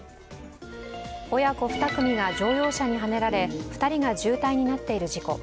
親子２組が乗用車にはねられ２人が重体になっている事故。